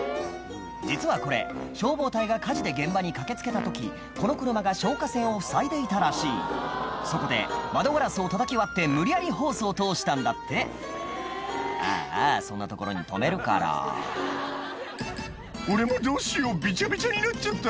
実はこれ消防隊が火事で現場に駆け付けた時この車が消火栓をふさいでいたらしいそこで窓ガラスをたたき割って無理やりホースを通したんだってああそんな所に止めるから「俺もどうしようビチャビチャになっちゃった」